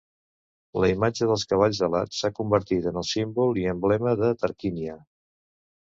La imatge dels cavalls alats s'ha convertit en el símbol i emblema de Tarquínia.